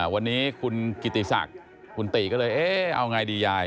วันนี้คุณกิติศักดิ์คุณติก็เลยเอ๊ะเอาไงดียาย